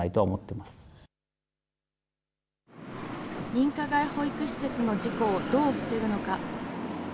認可外保育施設の事故をどう防ぐのか。